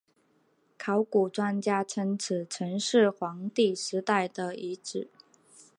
考古专家称此城是黄帝时代的遗址。